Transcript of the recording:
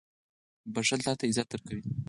• بښل تا ته عزت درکوي.